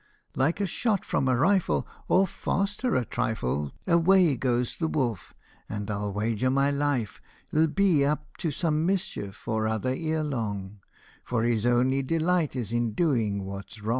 " Like a shot from a rifle, or faster a trifle, Away goes the wolf, and, I '11 wager my life, '11 Be up to some mischief or other ere long, For his only delight is in doing what 's wrong.